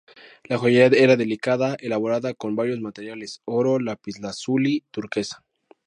La joyería era delicada, elaborada con variados materiales: oro, lapislázuli, turquesa.